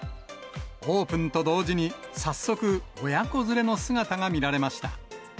オープンと同時に早速、親子連れの姿が見られました。